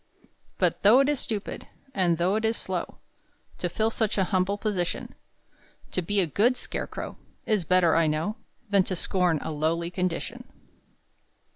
But though it is stupid, And though it is slow, To fill such an humble position; To be a good scarecrow Is better I know Than to scorn a lowly condition.